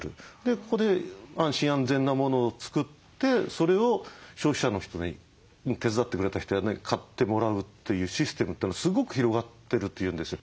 ここで安心安全なものを作ってそれを消費者の人に手伝ってくれた人や何か買ってもらうというシステムってのがすごく広がってると言うんですよ。